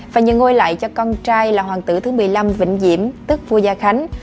và như ngôi lại cho con trai là hoàng tử thứ một mươi năm vĩnh diễm tức vua gia khánh